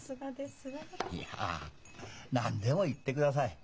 いや何でも言ってください。